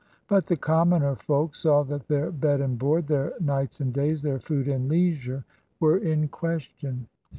'* But the commoner folk saw that their bed and board, their nights and days, their food and leisure were in question.